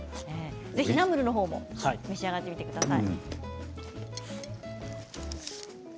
ナムルも召し上がってみてください。